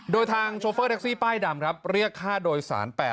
โดยทางโชเฟอร์แท็กซี่ป้ายดำครับเรียกค่าโดยสาร๘๐๐